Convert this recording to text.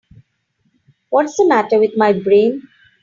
What's the matter with my brain?